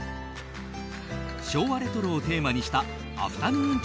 昭和レトロをテーマにしたアフタヌーン